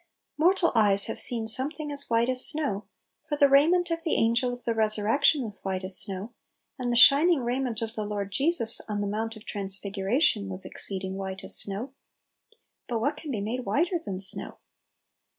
Mortal eyes have seen something as white as snow, for the raiment of the angel of the resurrec tion was " white as snow "; and the shining raiment of the Lord Jesus on the Mount of Transfiguration was " ex ceeding white as snow." But what can be made "whiter than snow